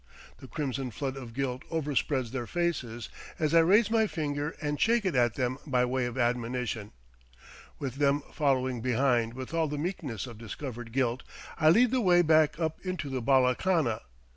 The crimson flood of guilt overspreads their faces as I raise my finger and shake it at them by way of admonition. With them following behind with all the meekness of discovered guilt, I lead the way back up into the bala khana.